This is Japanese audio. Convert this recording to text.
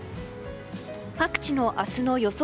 各地の明日の予想